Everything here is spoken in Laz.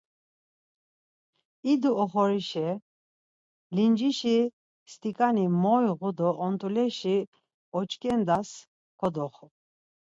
İdu oxorişa lincişi stiǩani moiğu do ont̆uleşi oç̌ǩendas kodoxu.